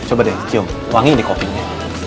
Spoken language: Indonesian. kum coba deh cium wangi nih kopinya